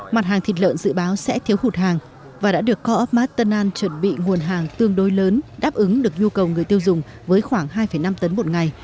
mặt hàng thịt lợn dự báo sẽ thiếu hụt hàng và đã được co op mart tân an chuẩn bị nguồn hàng tương đối lớn đáp ứng được nhu cầu người tiêu dùng với khoảng hai năm tấn một ngày